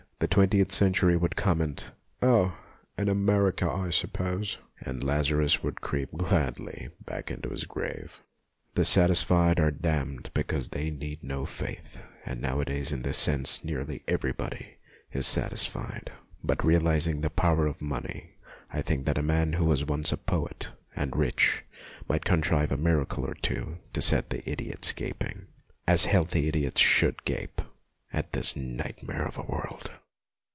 The twentieth century would comment, " Oh, in America, I sup pose," and Lazarus would creep gladly back into his grave. The satisfied are damned because they need no faith, and nowadays in this sense nearly everybody is satisfied ; but realizing the power of money, I think that a man who was at once a poet and rich might contrive a miracle or two to set the idiots gaping, as healthy idiots should gape, at this nightmare of a world.